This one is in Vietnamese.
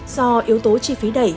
do yếu tố chi phí đẩy